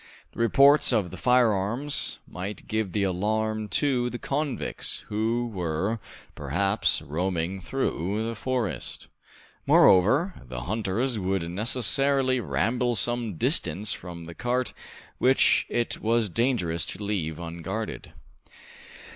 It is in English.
The reports of the firearms might give the alarm to the convicts, who were, perhaps, roaming through the forest. Moreover, the hunters would necessarily ramble some distance from the cart, which it was dangerous to leave unguarded.